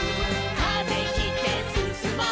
「風切ってすすもう」